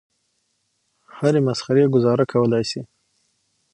هرې مسخرې ګوزاره کولای شي.